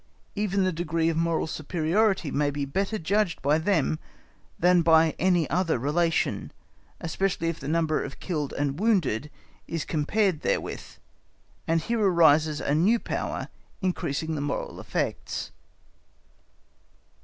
Even the degree of moral superiority may be better judged of by them than by any other relation, especially if the number of killed and wounded is compared therewith; and here arises a new power increasing the moral effects.